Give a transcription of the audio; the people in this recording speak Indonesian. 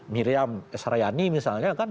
miriam esrayani misalnya kan